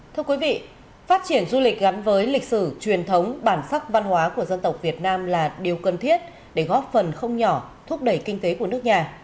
thưa quý vị phát triển du lịch gắn với lịch sử truyền thống bản sắc văn hóa của dân tộc việt nam là điều cần thiết để góp phần không nhỏ thúc đẩy kinh tế của nước nhà